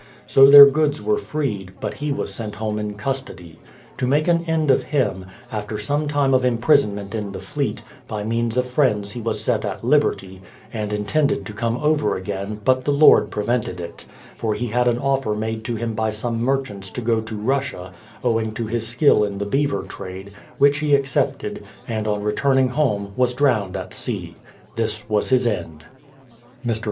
So their goods were freed, but he was sent home in custody. To make an end of him, after some time of imprisonment in tlie Fleet, by means of friends he was set at liberty, and I THE PLYMOUTH SETTLEMENT 223 intended to come over again, but the Lord prevented it; for he had an offer made to him by some merchants to go to Russia, owing to liis skill in the beaver trade, which he accepted, and on returning home was drowned at sea. This was his end. Mr.